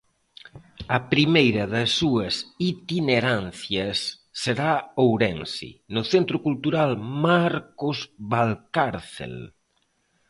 A primeira das súas itinerancias será Ourense, no Centro Cultural Marcos Valcárcel.